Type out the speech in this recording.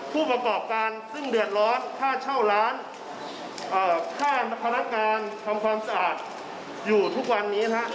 ผู้ประกอบการซึ่งเดือดร้อนค่าเช่าร้านค่าพนักงานทำความสะอาดอยู่ทุกวันนี้นะครับ